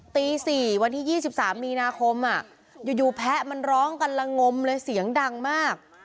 ตีสี่วันที่ยี่สิบสามมีนาคมอ่ะอยู่อยู่แพะมันร้องกันละงมเลยเสียงดังมาก